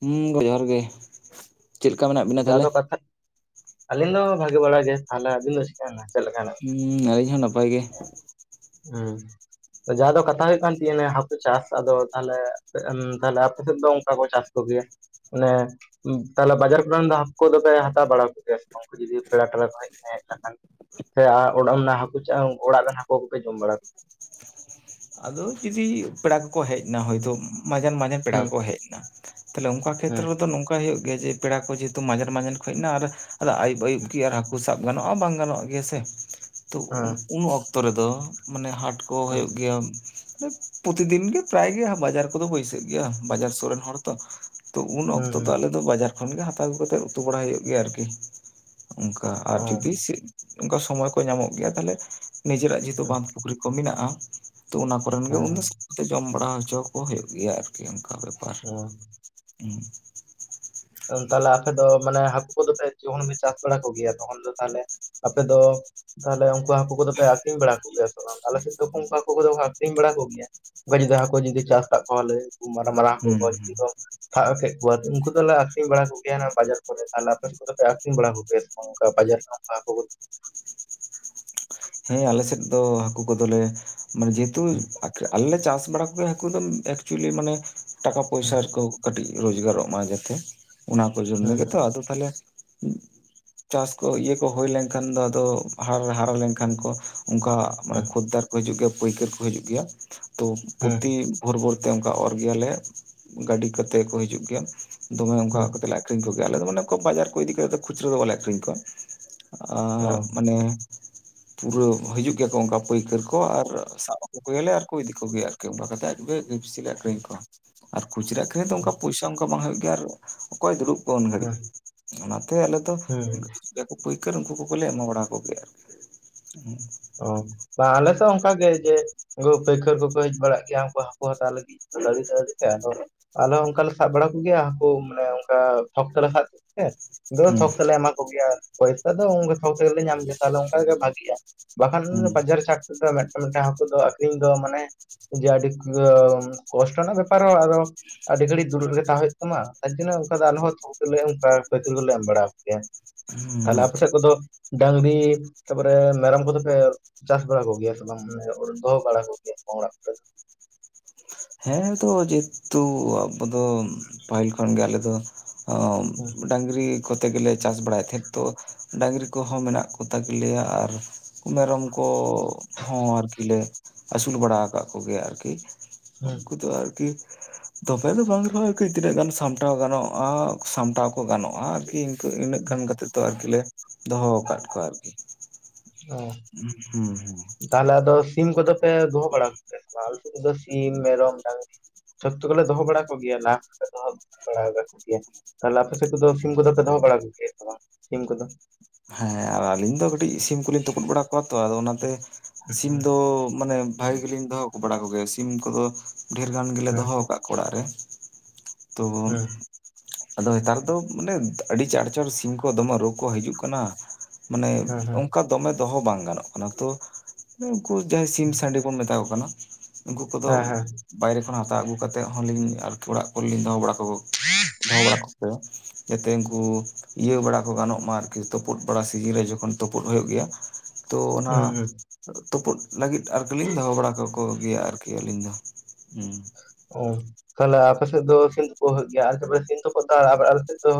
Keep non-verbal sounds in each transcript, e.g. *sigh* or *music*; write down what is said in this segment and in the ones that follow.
ᱦᱩᱸ ᱵᱟᱡᱟᱨ ᱜᱮ᱾ ᱪᱮᱫ ᱞᱮᱠᱟ ᱢᱮᱱᱟᱜ ᱵᱤᱱᱟ ᱡᱟ ᱛᱟᱦᱚᱞᱮ? ᱫᱚ ᱠᱟᱛᱷᱟᱡ, ᱟᱹᱞᱤᱧ ᱫᱚ ᱵᱷᱟᱜᱤ ᱵᱟᱲᱟ ᱜᱮ, ᱛᱟᱦᱚᱞᱮ ᱟᱹᱵᱤᱱ ᱫᱚ ᱪᱮᱠᱟ ᱦᱮᱱᱟ ᱪᱮᱫᱞᱮᱠᱟ ᱦᱮᱱᱟᱜ ᱦᱩᱸᱻ ᱟᱹᱞᱤᱧ ᱦᱚᱸ ᱱᱟᱯᱟᱭ ᱜᱮ᱾ ᱦᱩᱸᱻ᱾ ᱡᱟᱦᱟᱸ ᱫᱚ ᱠᱟᱛᱷᱟ ᱦᱩᱭᱩᱜ ᱠᱟᱱ ᱛᱤᱧᱟᱹ ᱤᱧᱟᱜ ᱦᱟᱠᱩ ᱪᱟᱥ, ᱟᱫᱚ ᱛᱟᱦᱚᱞᱮ ᱪᱮᱜ ᱮᱢ ᱛᱟᱦᱚᱞᱮ ᱟᱯᱮ ᱥᱮᱫ ᱫᱚ ᱚᱝᱠᱟ ᱠᱚ ᱪᱟᱥ ᱠᱚ ᱜᱮᱭᱟ, ᱚᱱᱮ ᱛᱟᱦᱚᱞᱮ ᱵᱟᱡᱟᱨ ᱯᱨᱟᱱᱫᱟ ᱦᱟᱠᱳ ᱫᱚᱯᱮ ᱦᱟᱛᱟᱣ ᱵᱟᱲᱟ ᱠᱚᱜᱮᱭᱟ ᱥᱮ ᱵᱟᱝ? ᱡᱩᱫᱤ ᱯᱮᱲᱟ ᱴᱮᱞᱟ ᱠᱚ ᱦᱮᱡ ᱦᱮᱡ ᱞᱮᱱᱠᱷᱟᱱ? ᱥᱮ ᱟ ᱚᱲᱟᱜ ᱨᱮᱱᱟᱜ ᱦᱟᱹᱠᱩ ᱪᱟᱥ ᱩᱱᱠᱩ ᱚᱲᱟᱜ ᱨᱮᱱ ᱦᱟᱹᱠᱳ ᱠᱚᱯᱮ ᱡᱚᱢ ᱵᱟᱲᱟ ᱟᱫᱚ ᱡᱩᱫᱤ ᱯᱮᱲᱟ ᱠᱚᱠᱚ ᱦᱮᱡ ᱮᱱᱟ ᱦᱚᱭᱛᱳ ᱢᱟᱡᱟᱱ ᱢᱟᱡᱟᱱ ᱯᱮᱲᱟ ᱦᱩᱸ ᱠᱚᱠᱚ ᱮᱱᱟ᱾ ᱛᱟᱦᱞᱮ ᱚᱱᱠᱟ ᱦᱩᱸ ᱠᱷᱮᱛᱨᱚ ᱨᱮᱫᱚ ᱱᱚᱝᱠᱟ ᱦᱩᱭᱩᱜ ᱜᱮᱭᱟ ᱡᱮ ᱯᱮᱲᱟ ᱠᱚ ᱡᱮᱦᱮᱛᱩ ᱢᱟᱡᱟᱱ ᱢᱟᱡᱟᱱ ᱠᱚ ᱦᱮᱡ ᱮᱱᱟ ᱟᱨ, ᱟᱫᱚ ᱟᱹᱭᱩᱵ ᱟᱹᱭᱩᱵ ᱦᱩᱸ ᱠᱤ ᱟᱨ ᱦᱟᱹᱠᱩ ᱥᱟᱵ ᱜᱟᱱᱚᱜ-ᱟ ᱵᱟᱝ ᱜᱟᱱᱚᱜ ᱜᱮᱭᱟ ᱥᱮ᱾ ᱛᱚ ᱦᱮᱸ ᱩᱱ ᱚᱠ ᱚᱠᱛᱚ ᱨᱮᱫᱚ ᱢᱟᱱᱮ ᱦᱟᱴ ᱠᱚ ᱦᱳᱭᱳᱜ ᱜᱮᱭᱟ᱾ ᱯᱚᱛᱤᱫᱤᱱ ᱜᱮ ᱯᱨᱟᱭ ᱜᱮ ᱵᱟᱡᱟᱨ ᱠᱚᱫᱚ ᱵᱟᱹᱭᱥᱟᱹᱜ ᱜᱮᱭᱟ ᱵᱟᱡᱟᱨ ᱥᱩᱨ ᱨᱮᱱ ᱦᱚᱲ ᱛᱚ᱾ ᱛᱚ ᱩᱱ ᱦᱩᱸ ᱚᱠᱛᱚ ᱫᱚ ᱦᱩᱸ ᱟᱞᱮ ᱫᱚ ᱵᱟᱡᱟᱨ ᱠᱷᱚᱱ ᱜᱮ ᱦᱟᱛᱟᱣ ᱠᱟᱛᱮᱜ ᱩᱛᱩ ᱵᱟᱲᱟᱭ ᱦᱩᱭᱩᱜ ᱜᱮᱭᱟ ᱟᱨᱠᱤ᱾ ᱚᱱᱠᱟ ᱟᱨ ᱚ ᱡᱚᱫᱤ ᱥᱮᱜ ᱚᱱᱠᱟ ᱥᱚᱢᱚᱭ ᱠᱚ ᱧᱟᱢᱚᱜ ᱜᱮᱭᱟ ᱛᱟᱦᱞᱮ ᱱᱤᱡᱮᱨᱟᱜ ᱡᱮᱦᱮᱛᱩ ᱦᱮᱸ ᱵᱟᱝ ᱯᱩᱠᱷᱨᱤ ᱠᱚ ᱢᱮᱱᱟᱜᱼᱟ, ᱛᱚ ᱚᱱᱟ ᱠᱚᱨᱮᱱ ᱜᱮ ᱦᱮᱸ ᱩᱱᱥ ᱜᱮ ᱡᱚᱢ ᱵᱟᱲᱟ ᱦᱚᱪᱚ ᱠᱚ ᱦᱳᱭᱳᱜ ᱜᱮᱭᱟ ᱟᱨᱠᱤ ᱚᱱᱠᱟ ᱵᱮᱯᱟᱨ ᱚ ᱦᱩᱸ, ᱛᱟᱦᱞᱮ ᱟᱯᱮ ᱫᱚ ᱢᱟᱱᱮ ᱦᱟᱹᱠᱩ ᱠᱚᱫᱚᱯᱮ ᱡᱚᱠᱷᱚᱱ ᱯᱮ ᱪᱟᱥ ᱵᱟᱲᱟ ᱠᱚᱜᱮᱭᱟ, ᱛᱚᱠᱷᱚᱱ ᱫᱚ ᱛᱟᱦᱚᱞᱮ ᱟᱯᱮ ᱫᱚ ᱛᱟᱦᱚᱞᱮ ᱩᱱᱠᱩ ᱦᱟᱹᱠᱩ ᱠᱚᱫᱚᱯᱮ ᱟᱠᱷᱨᱤᱧ ᱵᱟᱲᱟ ᱠᱚᱜᱮᱭᱟ ᱥᱮ ᱵᱟᱝ? ᱟᱞᱮᱥᱮᱫ ᱫᱚ ᱩᱱᱠᱩ ᱦᱟᱹᱠᱩ ᱠᱚᱫᱚ ᱠᱚ ᱟᱠᱷᱨᱤᱧ ᱵᱟᱲᱟ ᱠᱚᱜᱮᱭᱟ᱾ ᱵᱟ ᱡᱩᱫᱤ ᱦᱟᱹᱠᱳ ᱡᱩᱫᱤ ᱪᱟᱥ ᱠᱟᱜ ᱠᱚᱣᱟᱞᱮ, ᱢᱟᱨᱟ ᱢᱟᱨᱟᱝ ᱦᱟᱹᱠᱳ ᱠᱚ ᱡᱩᱫᱤ ᱠᱚ ᱥᱟᱵ ᱠᱮᱜ ᱠᱚᱣᱟ ᱩᱱᱠᱩ ᱫᱚᱞᱮ ᱟᱠ ᱟᱠᱷᱨᱤᱧ ᱵᱟᱲᱟ ᱠᱚᱜᱮᱭᱟ ᱱᱟ ᱵᱟᱡᱟᱨ ᱠᱚᱨᱮ, ᱟᱨ ᱟᱯᱮ ᱥᱮᱜ ᱠᱚᱫᱚᱯᱮ ᱟᱹᱠᱷᱨᱤᱧ ᱵᱟᱲᱟ ᱠᱚᱜᱮᱭᱟ ᱥᱮ ᱵᱟᱝ ᱚᱱᱠᱟ ᱵᱟᱡᱟᱨ ᱠᱷᱚᱱ ᱦᱟᱹᱠᱳ ᱠᱚ? ᱦᱮᱸ ᱟᱞᱮᱥᱮᱫ ᱫᱚ ᱦᱟᱹᱠᱩ ᱠᱚᱫᱚᱞᱮ ᱢᱟᱱᱮ ᱡᱮᱦᱮᱛᱩ ᱟᱠᱷ ᱟᱞᱮ ᱞᱮ ᱪᱟᱥ ᱵᱟᱲᱟ ᱢᱟᱱᱮ ᱦᱟᱹᱠᱩ ᱫᱚ ᱮᱠᱪᱩᱭᱮᱞᱤ ᱢᱟᱱᱮ ᱴᱟᱠᱟ ᱯᱚᱭᱥᱟ ᱦᱩᱸ ᱨᱮᱠᱚ ᱠᱟᱹᱴᱤᱡ ᱨᱳᱡᱽᱜᱟᱨᱚᱜ ᱢᱟ ᱡᱟᱛᱮ ᱚᱱᱟ ᱠᱚ ᱡᱚᱱᱱᱚ ᱦᱩᱸ ᱜᱮᱛᱚ ᱟᱫᱚ ᱛᱟᱦᱚᱞᱮ ᱪᱟᱥ ᱠᱚ ᱤᱭᱟᱹ ᱠᱚ ᱦᱳᱭᱞᱮᱱᱠᱷᱟᱱ ᱫᱚ ᱟᱫᱚ ᱦᱟᱨ ᱦᱟᱨᱟ ᱞᱮᱱᱠᱷᱟᱱ ᱠᱷᱟᱱ ᱠᱚ, ᱚᱱᱠᱟ ᱢᱟᱱᱮ ᱦᱩᱸ ᱠᱷᱳᱫᱽᱫᱟᱨ ᱠᱚ ᱦᱤᱡᱩᱜ ᱜᱮᱭᱟ, ᱯᱟᱹᱭᱠᱟᱹᱨ ᱠᱚ ᱦᱤᱡᱩᱜ ᱜᱮᱭᱟ, ᱛᱚ ᱦᱩᱸ ᱯᱨᱚᱛᱤ ᱵᱷᱳᱨ ᱵᱷᱳᱨ ᱛᱮ ᱚᱝᱠᱟ ᱚᱨ ᱜᱮᱭᱟᱞᱮ, ᱜᱟᱹᱰᱤ ᱠᱟᱛᱮ ᱠᱚ ᱦᱤᱡᱩᱜ ᱜᱮᱭᱟ, ᱫᱚᱢᱮ ᱚᱱᱠᱟ ᱦᱩᱸ ᱠᱟᱛᱮ ᱞᱮ ᱟᱹᱠᱷᱨᱤᱧ ᱠᱚᱜᱮᱭᱟᱞᱮ, ᱟᱞᱮᱫᱚ ᱢᱟᱱᱮ ᱠᱚ ᱵᱟᱡᱟᱨ ᱠᱚ ᱤᱫᱤ ᱠᱟᱛᱮᱜ ᱠᱷᱩᱪᱨᱟᱹ ᱫᱚ ᱵᱟᱞᱮ ᱟᱹᱠᱷᱨᱤᱧ ᱠᱚᱣᱟ, ᱟᱜ ᱦᱩᱸ ᱢᱟᱱᱮ ᱯᱩᱨᱟᱹ ᱦᱤᱡᱩᱜ ᱜᱮᱭᱟᱠᱚ ᱚᱱᱠᱟ ᱯᱟᱹᱭᱠᱟᱹᱨ ᱠᱚ ᱟᱨ ᱥᱟᱵ ᱟᱠᱚ ᱜᱮᱭᱟᱞᱮ ᱟᱨᱠᱚ ᱤᱫᱤ ᱠᱚᱜᱮᱭᱟ ᱟᱨᱠᱤ ᱚᱱᱠᱟ ᱠᱟᱛᱮᱫ ᱟᱡ ᱜᱮ ᱵᱮᱵᱥᱤ ᱟᱹᱠᱷᱨᱤᱧ ᱠᱚ ᱟᱨ ᱠᱷᱩᱪᱟᱹ ᱟᱹᱠᱷᱨᱤᱧ ᱫᱚ ᱦᱩᱸ ᱚᱱᱠᱟ ᱯᱚᱭᱥᱟ ᱚᱱᱠᱟ ᱵᱟᱝ ᱦᱩᱭᱩᱜ ᱜᱮᱭᱟ ᱟᱨ ᱚᱠᱚᱭ ᱫᱩᱲᱩᱵ ᱠᱚᱜ-ᱟ ᱩᱱ ᱜᱷᱟᱹᱲᱤᱡ, ᱦᱩᱸ ᱚᱱᱟᱛᱮ ᱟᱞᱮ ᱫᱚ ᱦᱩᱸ ᱯᱟᱹᱭᱠᱟᱹᱨ ᱩᱱᱠᱩ ᱠᱚᱜᱮᱞᱮ ᱮᱢᱟ ᱵᱟᱲᱟ ᱠᱚᱜᱮᱭᱟ ᱟᱨᱠᱤ᱾ ᱦᱩᱸ᱾ ᱚ ᱵᱟ ᱟᱞᱮᱥᱮᱜ ᱦᱚᱸ ᱚᱝᱠᱟ ᱜᱮ ᱡᱮ ᱩᱱᱠᱩ ᱯᱟᱹᱭᱠᱟᱹᱨ ᱠᱚᱠᱚ ᱦᱮᱡ ᱵᱟᱲᱟᱜ ᱜᱮᱭᱟ ᱩᱱᱠᱩ ᱦᱟᱹᱠᱩ ᱦᱟᱛᱟᱣ ᱞᱟᱹᱜᱤᱫ᱾ ᱜᱟᱲᱤ ᱛᱮ ᱦᱟᱨᱤ ᱯᱮ ᱦᱟᱠᱳ᱾ ᱟᱞᱮ ᱦᱚᱸ ᱚᱱᱠᱟᱞᱮ ᱥᱟᱵ ᱵᱟᱲᱟ ᱠᱚᱜᱮᱭᱟ ᱦᱟᱹᱠᱩ ᱢᱟᱱᱮ ᱚᱱᱠᱟ ᱛᱷᱚᱠ ᱛᱮᱞᱮ ᱥᱟᱵ ᱠᱚᱛᱮ ᱛᱟᱹᱣ ᱦᱩᱸ ᱛᱷᱚᱠ ᱛᱮᱞᱮ ᱮᱢᱟ ᱠᱚᱜᱮᱭᱟ ᱟᱨ ᱯᱚᱭᱥᱟ ᱫᱚ ᱩᱱ ᱨᱮ ᱛᱷᱚᱠ ᱛᱮᱜᱮᱞᱮ ᱧᱟᱢ ᱜᱮᱭᱟ ᱛᱟᱦᱞᱮ ᱚᱱᱠᱟ ᱜᱮ ᱵᱷᱟᱹᱜᱮᱜ-ᱟ᱾ ᱵᱟᱠᱷᱟᱱ ᱦᱩᱸ ᱵᱟᱡᱟᱨ ᱪᱷᱟᱴ ᱛᱮᱫᱚ ᱢᱮᱴᱟᱝ ᱢᱮᱴᱟᱝ ᱦᱟᱹᱠᱩ ᱫᱚ ᱟᱹᱠᱷᱨᱤᱧ ᱫᱚ ᱢᱟᱱᱮ ᱡᱮ ᱟᱰᱤ ᱯᱩᱨᱟᱹ ᱠᱚᱥᱴᱚ ᱨᱮᱱᱟᱜ ᱵᱮᱯᱟᱨ ᱦᱚᱸ ᱟᱨᱚ ᱟᱹᱰᱤ ᱜᱷᱟᱲᱤ ᱫᱩᱲᱩᱵ ᱨᱮ ᱛᱟᱦᱮᱸ ᱦᱩᱭᱩᱜ ᱛᱟᱢᱟ᱾ ᱛᱟᱭ ᱛᱤᱱᱟᱜ ᱚᱱᱠᱟ ᱫᱚ ᱟᱞᱮ ᱦᱚᱸ ᱠᱟᱹᱨᱟᱹᱭ ᱦᱩᱸ ᱚᱱᱠᱟ ᱯᱟᱹᱭᱠᱟᱹᱨ ᱠᱚᱞᱮ ᱮᱢ ᱵᱟᱲᱟ ᱣᱟᱠᱚ ᱜᱮᱭᱟ᱾ ᱦᱩᱸ ᱛᱟᱦᱚᱞᱮ ᱟᱯᱮ ᱟᱪᱪᱷᱟ ᱥᱮᱫ ᱠᱚᱫᱚ ᱰᱟᱝᱨᱤ, ᱛᱟᱯᱚᱨᱮ ᱢᱮᱨᱚᱢ ᱠᱚᱫᱚ ᱯᱮ ᱪᱟᱥ ᱵᱟᱲᱟ ᱠᱚᱜᱮᱭᱟ ᱥᱮ ᱵᱟᱝ ᱛᱟᱯᱚᱨᱮ ᱫᱚᱦᱚᱸ ᱵᱟᱲᱟ ᱠᱚ ᱦᱮᱸ ᱫᱚ ᱡᱮᱦᱮᱛᱩ ᱟᱵᱚ ᱫᱚ ᱯᱟᱹᱦᱤᱞ ᱠᱷᱚᱱᱜᱮ ᱟᱞᱮ ᱫᱚ ᱦᱩᱸ ᱰᱟᱝᱨᱤ ᱠᱚᱛᱮ ᱜᱮᱞᱮ ᱪᱟᱥ ᱵᱟᱲᱟᱭ ᱛᱮᱦᱮᱸᱛ ᱛᱚ ᱰᱟᱝᱨᱤ ᱠᱚᱦᱚᱸ ᱢᱮᱱᱟᱜ ᱠᱚᱛᱟ ᱜᱮᱞᱮᱭᱟ᱾ ᱟᱨ ᱢᱮᱨᱚᱢ ᱠᱚᱦᱚᱸ ᱟᱨᱠᱤ ᱞᱮ ᱟᱹᱥᱩᱞ ᱵᱟᱲᱟ ᱟᱠᱟᱜ ᱠᱚᱜᱮᱭᱟ ᱟᱨᱠᱤ᱾ ᱦᱮᱸ᱾ ᱩᱱᱠᱩ ᱫᱚ ᱟᱨᱠᱤ ᱫᱚᱵᱮ ᱫᱚ ᱵᱟᱝ ᱨᱮᱦᱚᱸ ᱟᱨᱠᱤ ᱛᱤᱱᱟᱹᱜ ᱜᱟᱱ ᱥᱟᱢᱴᱟᱣ ᱜᱟᱱᱚᱜ-ᱟ ᱥᱟᱢᱴᱟᱣ ᱠᱚ ᱜᱟᱱᱚᱜ-ᱟ ᱟᱨᱠᱤ ᱛᱚ ᱤᱱᱟᱹᱜ ᱜᱟᱱ ᱠᱟᱛᱮᱜ ᱫᱚ ᱟᱨᱠᱤ ᱞᱮ ᱫᱚᱦᱚᱸ ᱟᱠᱟᱜ ᱠᱚᱣᱟ ᱟᱨᱠᱤ᱾ ᱚ ᱦᱩᱸ ᱦᱩᱸ᱾ ᱛᱟᱦᱚᱞᱮ ᱟᱫᱚ ᱥᱤᱢ ᱠᱚᱫᱚ ᱯᱮ ᱫᱚᱦᱚ ᱵᱟᱲᱟ ᱠᱚᱜᱮᱭᱟ ᱥᱮ ᱵᱟᱝ ᱟᱞᱮ ᱥᱮᱫ ᱨᱮᱫᱚ ᱥᱤᱢ, ᱢᱮᱨᱚᱢ, ᱰᱟᱝᱨᱤ ᱡᱷᱚᱛᱚ ᱠᱚᱞᱮ ᱫᱚᱦᱚ ᱵᱟᱲᱟ ᱠᱚᱜᱮᱭᱟ *inaudible* ᱫᱚᱦᱚ ᱵᱟᱲᱟ ᱠᱟᱜ ᱠᱚᱜᱮᱭᱟ᱾ ᱛᱟᱦᱚᱞᱮ ᱟᱯᱮ ᱥᱮᱫ ᱠᱚᱫᱚ ᱥᱤᱢ ᱠᱚᱫᱚᱯᱮ ᱫᱚᱦᱚ ᱵᱟᱲᱟ ᱠᱚᱜᱮᱭᱟ ᱥᱮ ᱵᱟᱝ ᱥᱤᱢ ᱠᱚᱫᱚ? ᱦᱮᱸ ᱟᱨ ᱟᱹᱞᱤᱧ ᱫᱚ ᱠᱟᱹᱴᱤᱡ ᱥᱤᱢ ᱠᱚᱞᱤᱧ ᱛᱩᱯᱩᱫ ᱵᱟᱲᱟ ᱠᱚᱣᱟ ᱛᱚ ᱟᱫᱚ ᱚᱱᱟᱛᱮ ᱥᱤᱢ ᱫᱚ ᱢᱟᱱᱮ ᱵᱷᱟᱜᱮ ᱜᱮᱞᱤᱧ ᱫᱚᱦᱚ ᱠᱚ ᱵᱟᱲᱟ ᱠᱚᱜᱮᱭᱟ ᱥᱤᱢ ᱠᱚᱫᱚ ᱰᱷᱮᱨ ᱜᱟᱱ ᱜᱮᱞᱮ ᱦᱮᱸ ᱫᱚᱦᱚ ᱟᱠᱟᱫ ᱠᱚ ᱚᱲᱟᱜ ᱨᱮ ᱛᱚ ᱦᱮᱸ ᱟᱫᱚ ᱦᱮᱸᱛᱟᱨ ᱫᱚ ᱢᱟᱱᱮ ᱟᱹᱰᱤ ᱪᱟᱬ ᱪᱟᱬ ᱥᱤᱢ ᱠᱚ ᱫᱚᱢᱮ ᱨᱳᱜᱽ ᱠᱚ ᱦᱤᱡᱩᱜ ᱠᱟᱱᱟ ᱢᱟᱱᱮ ᱦᱮᱸ ᱦᱮᱸ ᱦᱮᱸ ᱚᱱᱠᱟ ᱫᱚᱢᱮ ᱫᱚᱦᱚ ᱵᱟᱝ ᱜᱟᱱᱚᱜ ᱠᱟᱱᱟ ᱛᱚ ᱩᱱᱠᱩ ᱡᱟᱦᱟᱸᱭ ᱥᱤᱢ ᱥᱟᱸᱰᱤ ᱵᱚᱱ ᱢᱮᱛᱟ ᱠᱚ ᱠᱟᱱᱟ, ᱩᱱᱠᱩ ᱠᱚᱫᱚ ᱦᱮᱸ ᱦᱮᱸ ᱵᱟᱭᱨᱮ ᱠᱷᱚᱱ ᱦᱟᱛᱟᱣ ᱟᱜᱩ ᱠᱟᱛᱮᱫ ᱦᱚᱸᱞᱤᱧ ᱟᱨᱠᱤ ᱚᱲᱟᱜ ᱠᱚᱨᱮᱞᱤᱧ ᱫᱚᱦᱚ ᱵᱟᱲᱟ *inaudible* ᱫᱚᱦᱚ ᱵᱟᱲᱟ ᱠᱚ ᱜᱮᱭᱟ, ᱡᱟᱛᱮ ᱩᱱᱠᱩ ᱤᱭᱟᱹ ᱵᱟᱲᱟ ᱠᱚ ᱜᱟᱱᱚᱜ ᱢᱟ ᱟᱨᱠᱤ ᱛᱳ ᱯᱳᱫ ᱵᱟᱲᱟ ᱥᱤᱡᱤᱱ ᱨᱮ ᱡᱚᱠᱷᱚᱱ ᱛᱳᱯᱳᱜ ᱦᱳᱭᱳᱜ ᱜᱮᱭᱟ, ᱛᱚ ᱚᱱᱟ ᱦᱩᱸ ᱦᱩᱸ ᱛᱳᱯᱳᱫ ᱞᱟᱹᱜᱤᱫ ᱟᱨᱠᱤ ᱞᱤᱧ ᱫᱚᱦᱚ ᱵᱟᱲᱟ ᱠᱟ ᱠᱚ ᱜᱮᱭᱟ ᱟᱨᱠᱤ ᱟᱹᱞᱤᱧ ᱫᱚ, ᱦᱩᱸ᱾ ᱚ ᱛᱟᱦᱞᱮ ᱟᱯᱮ ᱥᱮᱫ ᱫᱚ ᱥᱤᱢ ᱛᱩᱯᱩᱜ ᱦᱩᱭᱩᱜ ᱜᱮᱭᱟ ᱟᱞᱮ ᱵᱚᱞᱮ ᱥᱤᱢ ᱛᱳᱯᱳᱫ ᱫᱚ ᱟᱨ ᱟ ᱟᱞᱮ ᱥᱮᱫ ᱫᱚ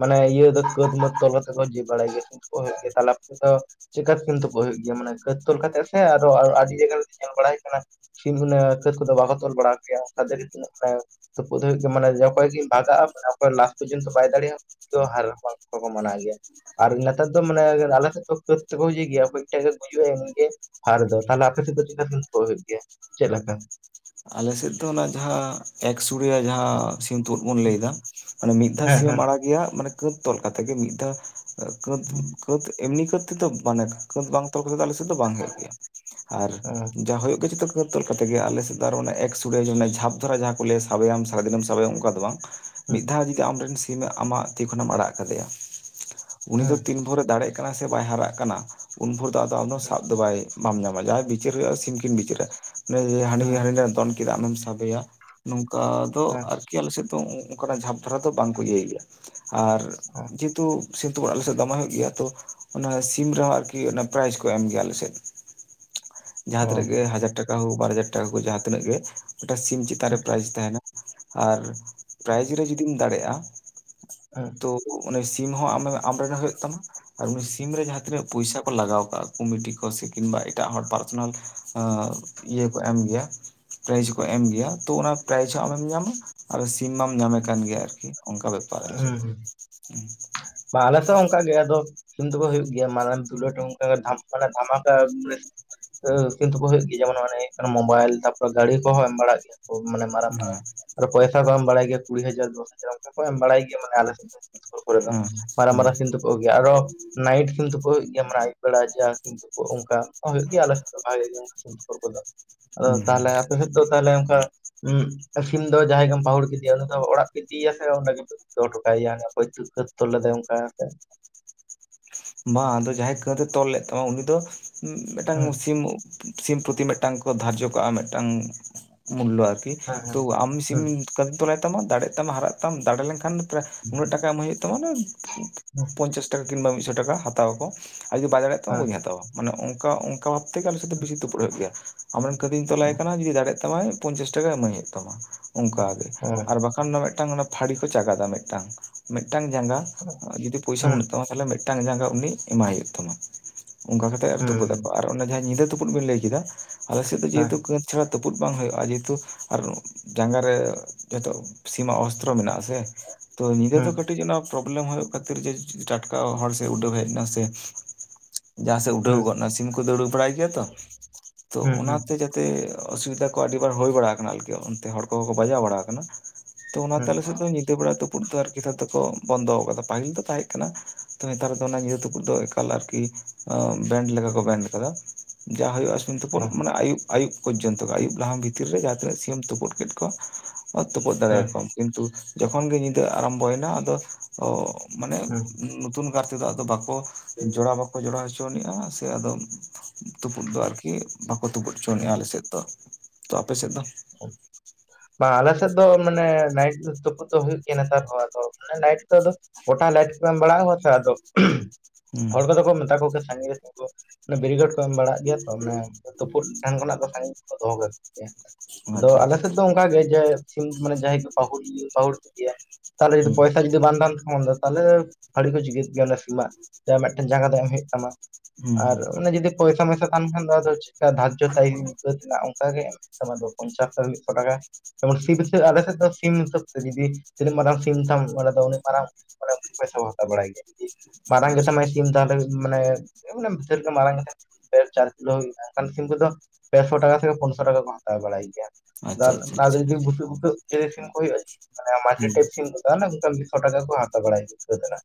ᱢᱟᱱᱮ ᱤᱭᱟᱹ ᱫᱚ ᱠᱟᱹᱛ ᱢᱟᱹᱛ ᱛᱚᱞ ᱠᱟᱛᱮ ᱠᱚ ᱡᱤ ᱵᱟᱲᱟᱭ ᱜᱮᱭᱟ ᱥᱤᱢ ᱛᱳᱯᱳᱜ ᱦᱳᱭᱳᱜ ᱜᱮᱭᱟ ᱛᱟᱦᱚᱞᱮ ᱟᱯᱮ ᱫᱚ ᱪᱮᱠᱟ ᱛᱤᱠᱤᱱ ᱛᱳᱯᱳᱜ ᱦᱩᱭᱩᱜ ᱜᱮᱭᱟ ᱢᱟᱱᱮ ᱠᱟᱹᱛ ᱛᱚᱞ ᱠᱟᱛᱮᱜ ᱥᱮ ᱟᱨᱚ ᱟᱹᱰᱤ ᱡᱟᱭᱜᱟ ᱨᱮ ᱫᱚ ᱧᱮᱞ ᱵᱟᱲᱟᱭ ᱦᱩᱭᱩᱜ ᱠᱟᱱᱟ ᱥᱤᱢ ᱩᱱᱟᱹᱜ ᱠᱟᱹᱛ ᱠᱚᱫᱚ ᱵᱟᱠᱚ ᱛᱚᱞ ᱵᱟᱲᱟ ᱠᱚᱜᱮᱭᱟ ᱚᱱᱠᱟ *unintelligible* ᱛᱳᱯᱳᱫ ᱦᱩᱭᱩᱜ ᱜᱮᱭᱟ ᱢᱟᱱᱮ ᱚᱠᱚᱭ ᱠᱤᱱ ᱵᱷᱟᱜᱟᱜᱼᱟ ᱚᱠᱚᱭ ᱞᱟᱥᱴ ᱯᱚᱨᱡᱚᱱᱛᱚ ᱵᱟᱭ ᱫᱟᱲᱮᱭᱟᱜᱼᱟ *inaudible* ᱦᱟᱨ *unintelligible* ᱠᱚᱠᱚ ᱢᱟᱱᱟᱣ ᱜᱮᱭᱟ᱾ ᱟᱨ ᱱᱮᱛᱟᱨ ᱫᱚ ᱢᱟᱱᱮ ᱟᱞᱮ ᱥᱮᱫ ᱫᱚ ᱠᱟᱹᱫ ᱛᱮᱠᱚ ᱤᱭᱟᱹᱭ ᱜᱮᱭᱟ ᱚᱠᱚᱭᱤ ᱴᱟᱜᱮ ᱜᱩᱡᱩᱜᱼᱟᱭ ᱩᱱᱤ ᱜᱮ ᱦᱟᱨ ᱫᱚ ᱛᱟᱦᱚᱞᱮ ᱟᱯᱮ ᱥᱮᱫ ᱫᱚ ᱪᱮᱫᱠᱟ ᱥᱤᱧ ᱛᱳᱯᱳᱫ ᱦᱩᱭᱩᱜ ᱜᱮᱭᱟ ᱪᱮᱫ ᱞᱮᱠᱟ? ᱟᱞᱮ ᱥᱮᱫ ᱫᱚ ᱚᱱᱟ ᱡᱟᱦᱟᱸ ᱮᱠᱥᱩᱲᱭᱟ ᱡᱟᱦᱟᱸ ᱥᱤᱢ ᱛᱳᱯᱳᱫ ᱵᱚᱱ ᱞᱟᱹᱭᱫᱟ, ᱢᱟᱱᱮ ᱢᱤᱫ ᱫᱷᱟᱣ ᱦᱮᱸ ᱥᱤᱢᱮᱢ ᱦᱮᱸ ᱟᱲᱟᱜᱮᱭᱟ ᱢᱟᱱᱮ ᱠᱟᱹᱛ ᱛᱚᱞ ᱠᱟᱛᱮ ᱜᱮ ᱢᱤᱫ ᱫᱷᱟᱣ ᱠᱟᱹᱛ ᱠᱟᱹᱛ ᱮᱢᱱᱤ ᱠᱟᱹᱛ ᱛᱮᱫᱚ ᱢᱟᱱᱮ ᱠᱟᱹᱛ ᱵᱟᱝ ᱛᱚᱞ ᱠᱟᱛᱮ ᱫᱚ ᱟᱞᱮ ᱥᱮᱫ ᱫᱚ ᱵᱟᱝ ᱦᱳᱭᱳᱜ ᱜᱮᱭᱟ᱾ ᱟᱨ ᱡᱟᱦᱟ ᱦᱳᱭᱳᱜ ᱜᱮᱭᱟ ᱡᱚᱛᱚ ᱠᱟᱹᱛ ᱛᱚᱞ ᱠᱟᱛᱮᱜᱮ ᱟᱞᱮ ᱥᱮᱫ ᱟᱨ ᱢᱟᱱᱮ ᱮᱠᱥᱩᱸᱲᱮ ᱡᱟᱦᱟ ᱡᱷᱟᱯ ᱫᱷᱟᱨᱟ ᱡᱟᱦᱟᱸ ᱠᱚ ᱞᱟᱹᱭᱟ ᱥᱟᱵᱮᱭᱟᱢ ᱥᱟᱨᱟᱫᱤᱱᱮᱢ ᱥᱟᱵᱮᱭᱟᱢ ᱚᱱᱠᱟ ᱫᱚ ᱵᱟᱝ᱾ ᱢᱤᱫ ᱫᱷᱟᱣ ᱡᱩᱫᱤ ᱟᱢᱨᱮᱱ ᱥᱤᱢ ᱟᱢᱟᱜ ᱛᱤ ᱠᱷᱚᱱᱮᱢ ᱟᱲᱟᱜ ᱠᱟᱫᱮᱭᱟ, ᱩᱱᱤ ᱫᱚ ᱛᱤᱱ ᱵᱷᱚᱨᱮ ᱫᱟᱲᱮᱜ ᱠᱟᱱᱟ ᱥᱮ ᱵᱟᱭ ᱦᱟᱨᱟᱜ ᱠᱟᱱᱟ ᱩᱱ ᱵᱷᱳᱨ ᱫᱚ ᱟᱫᱚ ᱟᱢᱫᱚ ᱥᱟᱵ ᱫᱚ ᱵᱟᱭ ᱵᱟᱢ ᱧᱟᱢᱟ ᱡᱟᱦᱟᱸᱭ ᱵᱤᱪᱟᱹᱨ ᱦᱩᱭᱩᱜᱼᱟ ᱥᱤᱢᱠᱤᱱ ᱵᱤᱪᱟᱹᱨᱟ ᱦᱟᱹᱱᱤ ᱦᱟᱹᱱᱤ ᱫᱚᱱ ᱠᱮᱫᱟ ᱟᱢᱮᱢ ᱥᱟᱵᱮᱭᱟ ᱱᱚᱝᱠᱟ ᱫᱚ ᱟᱨ ᱠᱤ ᱟᱞᱮ ᱥᱮᱫ ᱫᱚ ᱚᱱᱠᱟᱱᱟᱜ ᱡᱷᱟᱯ ᱫᱷᱟᱨᱟ ᱫᱚ ᱵᱟᱝ ᱠᱚ ᱤᱭᱟᱹᱭ ᱜᱮᱭᱟ᱾ ᱟᱨ ᱡᱮᱦᱮᱛᱩ ᱥᱤᱢ ᱛᱳᱯᱳᱫ ᱟᱞᱮ ᱥᱮᱫ ᱫᱚᱢᱮ ᱦᱩᱭᱩᱜ ᱜᱮᱭᱟ ᱛᱚ ᱚᱱᱟ ᱥᱤᱢ ᱨᱮᱦᱚᱸ ᱟᱨᱠᱤ ᱚᱱᱟ ᱯᱨᱟᱭᱤᱡ ᱠᱚ ᱮᱢ ᱜᱮᱭᱟ ᱟᱞᱮ ᱥᱮᱫ᱾ ᱡᱟᱦᱟᱸ ᱛᱤᱱᱟᱹᱜ ᱜᱮ ᱦᱟᱡᱟᱨ ᱴᱟᱠᱟ ᱦᱳᱠ ᱵᱟᱨ ᱦᱟᱡᱟᱨ ᱴᱟᱠᱟ ᱠᱚ ᱡᱟᱦᱟᱸ ᱛᱤᱱᱟᱹᱜ ᱜᱮ ᱢᱤᱫᱴᱟᱝ ᱥᱤᱢ ᱪᱮᱛᱟᱱ ᱨᱮ ᱯᱨᱟᱭᱤᱡᱽ ᱛᱟᱦᱮᱱᱟ ᱟᱨ ᱯᱨᱟᱭᱤᱡᱽ ᱨᱮ ᱡᱩᱫᱤᱢ ᱫᱟᱲᱮᱜᱼᱟ ᱛᱚ ᱩᱱᱤ ᱥᱤᱢ ᱦᱚᱸ ᱟᱢᱮ ᱟᱢᱨᱮᱱᱮ ᱦᱩᱭᱩᱜ ᱛᱟᱢᱟ ᱟᱨ ᱩᱱᱤ ᱥᱤᱢ ᱨᱮ ᱡᱟᱦᱟᱸ ᱛᱤᱱᱟᱹᱜ ᱯᱩᱭᱥᱟ ᱠᱚ ᱞᱟᱜᱟᱣ ᱠᱟᱜ-ᱟ ᱠᱚᱢᱤᱴᱤ ᱠᱚ ᱥᱮ ᱠᱤᱱᱵᱟ ᱮᱴᱟᱜ ᱦᱚᱲ ᱯᱟᱨᱥᱚᱱᱟᱞ ᱮᱸ ᱤᱭᱟᱹ ᱠᱚ ᱮᱢ ᱜᱮᱭᱟ, ᱯᱨᱟᱭᱤᱡᱽ ᱦᱚᱸ ᱠᱚ ᱮᱢ ᱜᱮᱭᱟ ᱛᱚ ᱚᱱᱟ ᱯᱨᱟᱭᱤᱡᱽ ᱦᱚᱸ ᱟᱢᱮᱢ ᱧᱟᱢᱟ, ᱟᱨᱚ ᱥᱤᱢ ᱢᱟᱢ ᱧᱟᱢᱮ ᱠᱟᱱ ᱜᱮᱭᱟ ᱟᱨᱠᱤ ᱚᱱᱠᱟ ᱵᱮᱯᱟᱨ ᱟᱞᱮ ᱥᱮᱫ ᱫᱚ, ᱦᱩᱸ᱾ ᱵᱟᱝ ᱟᱞᱮ ᱥᱮᱫ ᱦᱚᱸ ᱚᱱᱠᱟ ᱜᱮ ᱟᱫᱚ ᱥᱤ ᱛᱳᱯᱳᱫ ᱦᱩᱭᱩᱜ ᱜᱮᱭᱟ ᱢᱟᱨᱟᱝ ᱫᱷᱩᱞᱟᱹᱴ ᱚᱱᱠᱟ ᱫᱷᱟᱢ ᱢᱟᱱᱮ ᱫᱷᱟᱢᱟᱠᱟ ᱢᱟᱱᱮ ᱮᱸ ᱥᱤᱢ ᱛᱳᱯᱳᱫ ᱦᱩᱭᱩᱜ ᱜᱮᱭᱟ ᱡᱮᱢᱚᱱ ᱢᱟᱱᱮ ᱦᱩᱭᱩᱜ ᱠᱟᱱᱟ ᱢᱳᱵᱟᱭᱤᱞ ᱛᱟᱨᱯᱚᱨᱮ ᱜᱟᱹᱤ ᱠᱚᱦᱚᱸ ᱮᱢ ᱵᱟᱲᱟᱜ ᱜᱮᱭᱟ᱾ ᱠᱚ ᱢᱟᱱᱮ ᱢᱟᱨᱟᱝ ᱦᱮᱸ ᱢᱟᱨᱟᱝ ᱟᱨ ᱯᱚᱭᱥᱟ ᱠᱚ ᱮᱢ ᱵᱟᱲᱟᱭ ᱜᱮᱭᱟ ᱠᱩᱲᱤ ᱦᱟᱡᱟᱨ ᱫᱚᱥ ᱦᱟᱡᱟᱨ ᱚᱱᱠᱟ ᱠᱚ ᱮᱢ ᱵᱟᱲᱟᱭ ᱜᱮᱭᱟ ᱢᱟᱱᱮ ᱟᱞᱮ ᱥᱮᱫ᱾ ᱦᱩᱸ ᱦᱩᱸ᱾ ᱛᱳᱯᱳ ᱟᱜᱩᱭᱟ ᱟᱨᱚ ᱱᱟᱴᱤᱱᱛᱩᱭᱟ, ᱟᱭᱩᱵ ᱵᱮᱲᱟ ᱚᱱᱠᱟ ᱦᱩᱭᱩᱜ ᱜᱮᱭᱟ ᱟᱞᱮ ᱥᱮᱫ ᱫᱚ ᱵᱷᱟᱜᱮ ᱥᱤᱢᱛᱳᱯᱳᱜ ᱠᱚ ᱫᱚ ᱦᱩᱸ ᱟᱫᱚ ᱦᱩᱸ ᱛᱟᱦᱮ ᱩᱦᱩᱜ ᱫᱚ ᱛᱟᱦᱚᱞᱮ ᱚᱱᱠᱟ ᱩᱸ ᱥᱤᱢ ᱫᱚ ᱡᱟᱦᱟᱸᱭ ᱜᱮᱢ ᱯᱟᱹᱟᱦᱩᱲ ᱠᱮᱫᱤᱫᱮᱭᱟ ᱩᱱᱤ ᱫᱚ ᱚᱲᱟᱜ ᱯ ᱤᱫᱤᱭᱮᱭᱟ ᱜᱮ ᱚᱸᱰᱮ ᱫᱚᱦᱚ ᱦᱚᱴᱚ ᱠᱟᱭᱟ ᱚᱠᱚᱭ ᱤᱛᱩᱫ ᱦᱚᱛᱚ ᱞᱮᱫᱮ ᱚᱝᱠᱟ ᱠᱟᱛᱮᱫ ᱾ ᱵᱟᱝ ᱟᱫᱚ ᱡᱟᱦᱟᱸᱭ ᱠᱟᱹᱫ ᱮ ᱛᱚᱞ ᱞᱮᱫ ᱛᱟᱢᱟ ᱩᱱᱤ ᱫᱚ ᱢᱤᱫ ᱴᱟᱝ ᱦᱮᱸ ᱥᱤᱢ ᱥᱤᱢ ᱯᱨᱚᱛᱤ ᱢᱤᱫᱴᱟᱝ ᱠᱚ ᱫᱷᱟᱨᱡᱚ ᱠᱚᱜ-ᱟ ᱢᱤᱫᱴᱟᱝ ᱢᱩᱞᱞᱚ ᱟᱨᱠᱤ ᱛᱳ ᱦᱮᱸ ᱟᱢ ᱥᱤᱢ, ᱦᱩᱸ ᱠᱟᱹᱛᱤᱧ ᱛᱚᱞᱟᱭ ᱛᱟᱢᱟ ᱫᱟᱲᱮᱜ ᱛᱟᱢᱟ ᱦᱟᱨᱟᱜ ᱛᱟᱢ ᱫᱟᱲᱮ ᱞᱮᱱ ᱠᱷᱟᱱ ᱯᱨᱟᱭ ᱱᱩᱱᱟᱹᱜ ᱴᱟᱠᱟ ᱮᱢ ᱦᱩᱭᱩᱜ ᱛᱟᱢᱟ ᱦᱩᱸ ᱯᱚᱧᱪᱟᱥ ᱴᱟᱠᱟ ᱠᱤᱢᱵᱟ ᱢᱤᱫᱥᱚ ᱴᱟᱠᱟ ᱦᱟᱛᱟᱣᱟ ᱟᱠᱚ ᱟᱨ ᱠᱩᱫᱤ ᱵᱟᱭ ᱫᱟᱲᱮᱭᱟᱜ ᱦᱮᱸ ᱦᱮᱸ ᱦᱩᱸ ᱛᱟᱢᱟ ᱦᱩᱸ ᱵᱟᱹᱧ ᱦᱟᱛᱟᱣᱟ ᱢᱟᱱᱮ ᱚᱝᱠᱟ ᱚᱝᱠᱟ ᱵᱷᱟᱵᱽ ᱛᱮᱜᱮ ᱟᱞᱮ ᱥᱮᱫ ᱫᱚ ᱦᱮᱸ ᱵᱤᱥᱤ ᱛᱳ ᱜᱮᱭᱟ ᱟᱢᱨᱮᱱ ᱠᱟᱹᱛᱤᱧ ᱛᱚᱞᱟᱭ ᱠᱟᱱᱟ ᱡᱩᱫᱤ ᱫᱟᱲᱮᱭᱟᱜ ᱛᱟᱢᱟᱭ ᱯᱚᱧᱪᱟᱥ ᱴᱟᱠᱟ ᱮᱢᱟᱹᱧ ᱦᱩᱭᱩᱜ ᱛᱟᱢᱟ ᱾ ᱚᱱᱠᱟ ᱜᱮ ᱦᱩᱸ ᱦᱩᱸ ᱟᱨ ᱵᱟᱠᱷᱟᱱ ᱢᱤᱫᱴᱟᱝ ᱚᱱᱟ ᱯᱟᱹᱲᱤ ᱠᱚ ᱪᱟᱸᱜᱫᱟ ᱢᱤᱫᱴᱟᱝ ᱢᱤᱫᱴᱟᱝ ᱡᱟᱸᱜᱟ, ᱡᱩᱫᱤ ᱯᱚᱭᱥᱟ ᱵᱟᱹᱱᱩᱜ ᱛᱟᱢᱟ ᱛᱟᱦᱞᱮ ᱢᱤᱫᱴᱟᱱ ᱡᱟᱸᱜᱟ ᱩᱱᱤ ᱮᱢᱟᱭ ᱦᱳᱭᱳᱜ ᱛᱟᱢᱟ ᱾ ᱚᱝᱠᱟ ᱠᱟᱛᱮᱜ ᱟᱨ ᱛᱩᱯᱩᱫ ᱟᱠᱚ ᱟᱨ ᱡᱟᱦᱟᱸ ᱧᱤᱫᱟᱹ ᱛᱩᱯᱩᱫ ᱵᱤᱱ ᱞᱟᱹᱭ ᱠᱮᱫᱟ ᱟᱞᱮ ᱥᱮᱫ ᱫᱚ ᱦᱩᱸ ᱡᱮᱦᱮᱛᱩ ᱠᱟᱹᱛ ᱪᱷᱟᱲᱟ ᱛᱩᱯᱩᱩᱜ ᱵᱟᱝ ᱦᱩᱭᱩᱜᱼᱟ ᱡᱮᱦᱮᱛᱩ ᱟᱨ ᱡᱟᱸᱜᱟ ᱨᱮ ᱡᱷᱚᱛᱚ ᱥᱤᱢᱟᱜ ᱚᱥᱛᱨᱚ ᱢᱮᱱᱟᱜ ᱟᱥᱮ, ᱛᱚ ᱧᱤᱫᱟᱹ ᱫᱚ ᱠᱟᱹᱴᱤᱡ ᱚᱱᱟ ᱯᱨᱚᱵᱽᱞᱮᱢ ᱦᱳᱭᱳᱜ ᱠᱷᱟᱹᱛᱤᱨ ᱡᱮ ᱴᱟᱴᱠᱟ ᱦᱚᱲ ᱩᱰᱟᱹ ᱦᱮᱡ ᱱᱟᱥᱮ, ᱡᱟᱦᱟᱸ ᱥᱮᱫ ᱩᱰᱟᱹᱣ ᱜᱚᱫ ᱱᱟ ᱥᱤᱢ ᱠᱚ ᱫᱟᱹᱲ ᱵᱟᱲᱟᱭ ᱜᱮᱭᱟ ᱛᱚ ᱛᱚ ᱦᱩᱸ ᱚᱱᱟᱛᱮ ᱦᱩᱸ ᱡᱟᱛᱮ ᱛᱮ ᱚᱥᱩᱵᱤᱫᱷᱟ ᱠᱚ ᱟᱹᱰᱤ ᱵᱟᱨ ᱦᱳᱭ ᱵᱟᱲᱟ ᱟᱠᱟᱱᱟ ᱟᱨᱠᱤ ᱚᱱᱛᱮ ᱦᱚᱲ ᱠᱚ ᱦᱚᱸ ᱠᱚ ᱵᱟᱡᱟᱣ ᱵᱟᱲᱟ ᱟᱠᱟᱱᱟ ᱾ ᱛᱚ ᱚᱱᱟ ᱛᱮ ᱟᱞᱮ ᱥᱮᱫ ᱫᱚ ᱧᱤᱫᱟᱹ ᱵᱮᱲᱟ ᱛᱩᱯᱩᱫ ᱫᱚ ᱟᱨᱠᱤ ᱱᱮᱛᱟᱨ ᱫᱚᱠᱚ ᱵᱚᱱᱫᱚ ᱠᱟᱫᱟ ᱯᱟᱹᱦᱤᱞ ᱫᱚ ᱛᱟᱦᱮᱸ ᱠᱟᱱᱟ, ᱚ ᱱᱮᱛᱟᱨ ᱫᱚ ᱚᱱᱟ ᱧᱤᱫᱟᱹ ᱛᱩᱯᱩ ᱫᱚ ᱮᱠᱟᱞ ᱟᱨᱠᱤ ᱵᱮᱱᱰ ᱞᱮᱠᱟ ᱠᱚ ᱵᱮᱱᱰ ᱟᱠᱟᱫᱟ ᱡᱟ ᱦᱳᱭᱳᱜᱼᱟ ᱾ ᱥᱤᱢ ᱛᱩᱯᱩᱫ ᱚ ᱢᱟᱱᱮ ᱟᱭᱩᱵ ᱟᱭᱩᱵ ᱯᱚᱨᱡᱳᱱᱛᱚ ᱟᱭᱩᱵ ᱞᱟᱦᱟ ᱵᱷᱤᱛᱤᱨᱮ ᱡᱟᱦᱟᱸ ᱛᱱᱟᱹᱜ ᱛᱩᱯᱩᱫ ᱠᱮᱫ ᱠᱚᱣᱟ ᱛᱩᱯᱩᱫ ᱫᱟᱲᱮᱭᱟ ᱦᱮᱸ ᱟᱠᱚᱣᱟᱢ ᱠᱤᱱᱛᱩ ᱡᱚᱠᱷᱚᱱ ᱜᱮ ᱧᱤᱫᱟᱹ ᱟᱨᱟᱢᱵᱚᱭᱮᱱᱟ ᱟᱫᱚ ᱚ ᱢᱟᱱᱮ ᱦᱩᱸ *inaudible* ᱟᱨ ᱛᱮᱫᱚ ᱟᱫᱚ ᱵᱟᱠᱚ ᱡᱚᱲᱟᱣ ᱵᱟᱠᱚ ᱡᱚᱲᱟᱣ ᱦᱚᱪᱚᱱᱤᱡᱼᱟ ᱥᱮ ᱟᱫᱚ ᱛᱩᱯᱩᱫ ᱫᱚ ᱟᱨᱠᱤ ᱵᱟᱠᱚ ᱛᱩᱵᱩᱫ ᱦᱚᱪᱚᱟᱱᱤᱡᱼᱟ ᱟᱞᱮ ᱦᱩᱸ ᱥᱮᱫ ᱫᱚ, ᱛᱚ ᱟᱯᱮ ᱥᱮᱫ ᱫᱚ? ᱵᱟᱝ ᱟᱞᱮ ᱥᱮᱫ ᱫᱚ ᱢᱟᱱᱮ ᱱᱟᱭᱤᱴ ᱛᱩᱯᱩᱫ ᱫᱚ ᱦᱳᱭᱳᱜ ᱜᱮᱭᱟ ᱱᱮᱛᱟᱨ ᱦᱚᱸ ᱟᱫᱚ ᱟᱱᱮ ᱱᱟᱭᱤᱴ ᱫᱚ ᱜᱚᱴᱟ ᱞᱟᱭᱤᱴ ᱠᱚ ᱮᱢ ᱵᱟᱲᱟᱜᱼᱟ ᱥᱮ ᱟᱫᱚ ᱦᱩᱸ ᱦᱚᱲ ᱠᱚ ᱫᱚ ᱠᱚ ᱢᱮᱛᱟ ᱠᱚ ᱥᱟᱺᱜᱤᱧ ᱨᱮ ᱛᱮᱜᱳ ᱵᱮᱨᱤᱠᱮᱴ ᱮᱢ ᱵᱟᱲᱟᱜ ᱜᱮᱭᱟ ᱛᱚ ᱢᱟᱱᱮ ᱛᱩᱯᱩᱫ ᱴᱷᱮᱱ ᱠᱷᱚᱱᱟᱜ ᱫᱚ ᱥᱟᱺᱜᱤᱧ ᱠᱚ ᱫᱚᱦᱚ ᱠᱟᱜᱚ ᱜᱮᱭᱟ, ‌ᱟᱫᱚ ᱟᱪᱪᱷᱟ ᱟᱞᱮ ᱟᱪᱪᱷᱟ ᱥᱮᱫ ᱫᱚ ᱚᱝᱠᱟ ᱜᱮ ᱡᱮ ᱥᱤᱢ ᱢᱟᱱᱮ ᱡᱟᱦᱟᱸᱭ ᱜᱮ ᱯᱟᱹᱦᱩᱲᱤᱭᱟᱹ ᱯᱟᱦᱩᱲ ᱠᱚ ᱜᱮᱭᱟ, ᱛᱟᱦᱞᱮ ᱦᱩᱸ ᱯᱚᱭᱥᱟ ᱡᱩᱫᱤ ᱵᱟᱝ ᱛᱟᱦᱮᱱ ᱛᱟᱢᱟ ᱛᱟᱦᱞᱮ ᱯᱷᱟᱲᱤ ᱠᱚ ᱪᱤᱜᱟᱹᱫ ᱠᱮᱭᱟ ᱥᱤᱢᱟᱜ ᱢᱤᱫᱴᱮᱱ ᱡᱟᱸᱜᱟ ᱫᱚ ᱮᱢ ᱦᱳᱭᱳᱜ ᱛᱟᱢᱟ᱾ ᱦᱩᱸ ᱟᱨ ᱦᱩᱸ ᱚᱱᱮ ᱡᱩᱫᱤ ᱯᱚᱭᱥᱟ ᱢᱚᱭᱥᱟ ᱛᱟᱦᱮᱱ ᱠᱷᱟᱱ ᱫᱚ ᱟᱫᱚ ᱪᱮᱠᱟ ᱫᱟᱨᱡᱚ ᱛᱟᱦᱮ ᱠᱟᱹᱛ ᱨᱮᱱᱟᱜ ᱚᱝᱠᱟ ᱜᱮ ᱮᱢ ᱢᱮ, ᱥᱮ ᱟᱢᱟᱜ ᱫᱚ ᱢᱤᱫᱥᱚ ᱴᱟᱠᱟ, ᱡᱮᱢᱚᱱ ᱥᱤᱢ ᱦᱤᱥᱟᱹ ᱟᱞᱮ ᱥᱮᱫ ᱫᱚ ᱥᱤᱢ ᱦᱤᱥᱟᱹᱵ ᱛᱮ ᱡᱩᱫᱤ ᱛᱤᱱᱟᱹᱜ ᱢᱟᱨᱟᱝ ᱥᱤᱢ ᱛᱟᱢ ᱟᱞᱮᱫᱚ ᱩᱱᱟᱹᱜ ᱢᱟᱨᱟᱝ ᱯᱚᱭᱥᱟ ᱦᱟᱛᱟᱣ ᱵᱟᱲᱟᱭ ᱜᱮᱭᱟ ᱢᱟᱨᱟᱝ ᱜᱮᱛᱟ ᱟᱪᱪᱷᱟ ᱟᱪᱪᱷᱟ ᱢᱟᱭ ᱥᱤᱢ ᱛᱟᱦᱚᱞᱮ ᱢᱟᱱᱮ ᱢᱟᱱᱮ ᱥᱮᱨᱚᱠᱚᱢ ᱢᱟᱨᱟᱝ ᱯᱮ ᱪᱟᱨ ᱠᱤᱞᱳ ᱦᱩᱭᱩᱜᱼᱟ, ᱚᱱᱠᱟᱱ ᱥᱤᱢ ᱠᱚ ᱫᱚ ᱯᱮᱥᱚ ᱴᱟᱠᱟ ᱥᱮ ᱯᱳᱱᱥᱚ ᱴᱟᱠᱟ ᱠᱚ ᱦᱟᱛᱟᱣ ᱵᱟᱲᱟᱭ ᱜᱮᱭᱟ ᱟᱪᱪᱷᱟ ᱟᱫᱚ ᱟᱪᱪᱷᱟ ᱡᱩᱫᱤ ᱵᱩᱥᱟᱹᱜ ᱵᱩᱥᱟᱹᱜ ᱥᱤᱢ ᱠᱚ ᱦᱩᱭᱩᱜᱼᱟ ᱢᱮ ᱢᱟᱡᱷᱟᱨᱤ ᱴᱮᱯ ᱥᱤᱢ ᱠᱚᱫᱚ ᱠᱷᱟᱱ ᱢᱤᱫᱥᱚ ᱴᱟᱠᱟ ᱠᱚ ᱦᱟᱛᱟᱣ ᱵᱟᱲᱟᱭ ᱜᱮᱭᱟ ᱠᱟᱹᱛ ᱨᱮᱱᱟᱜ